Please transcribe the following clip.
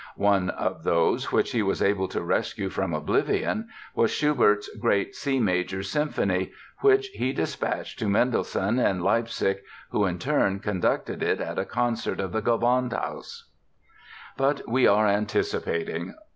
One of those which he was able to rescue from oblivion was Schubert's great C major Symphony, which he dispatched to Mendelssohn in Leipzig, who in turn conducted it at a concert of the Gewandhaus. But we are anticipating!